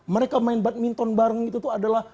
mereka main badminton bareng itu tuh adalah